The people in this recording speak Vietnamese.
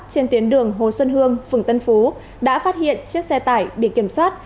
trên tuyến đường hồ xuân hương phường tân phú đã phát hiện chiếc xe tải bị kiểm soát